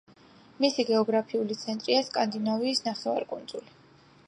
მისი გეოგრაფიული ცენტრია სკანდინავიის ნახევარკუნძული.